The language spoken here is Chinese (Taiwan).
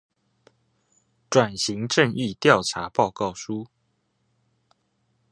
轉型正義調查報告書